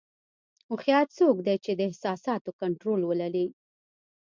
هوښیار څوک دی چې د احساساتو کنټرول ولري.